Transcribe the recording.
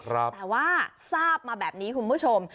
แต่ว่าทราบมาแบบนี้คุณผู้ชม